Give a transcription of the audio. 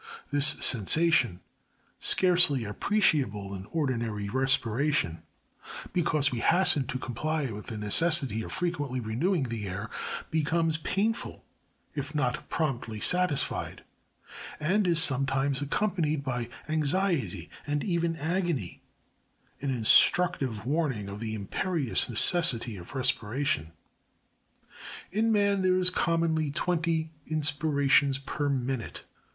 This sensation, scarceJj^appreciable in ordinary respi ration, because we hasten to comply with the necessity of frequent ly renewing the air, becomes painful if not promptly satisfied ; and is sometimes accompanied by anxiety, and even agony ; an in structive warning of the imperious necessity of respiration. 34. In man there is commonly twenty inspirations per minute.